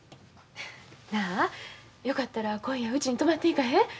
なあよかったら今夜うちに泊まっていかへん？